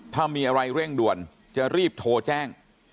ถ้ามีอะไรเร่งด่วนจะรีบโทรแจ้ง